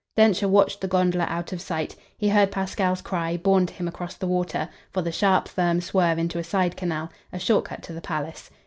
Densher watched the gondola out of sight he heard Pasquale's cry, borne to him across the water, for the sharp firm swerve into a side canal, a short cut to the palace.